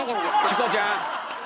チコちゃん！